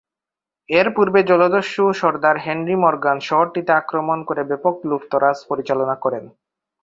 এরপূর্বে জলদস্যু সরদার হেনরি মর্গ্যান শহরটিতে আক্রমণ করে ব্যাপক লুটতরাজ পরিচালনা করেন।